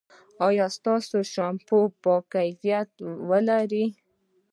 ایا ستاسو شامپو به کیفیت ولري؟